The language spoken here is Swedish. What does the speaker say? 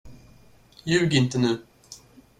Ljug inte nu!